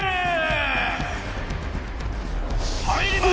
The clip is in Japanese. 入ります！